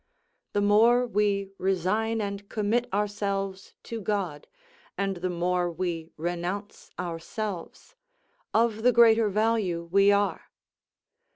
The more we resign and commit ourselves to God, and the more we renounce ourselves, of the greater value we are.